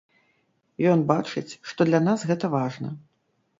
Ён бачыць, што для нас гэта важна.